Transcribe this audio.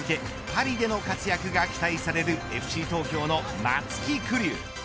パリでの活躍が期待されるＦＣ東京の松木玖生。